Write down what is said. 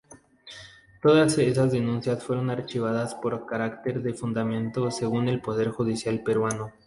Todas esas denuncias fueron archivadas por carecer de fundamento según el poder judicial peruano.